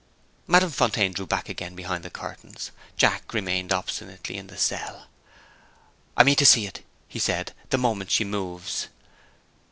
Madame Fontaine drew back again behind the curtains. Jack remained obstinately in the cell. "I mean to see it," he said, "the moment she moves."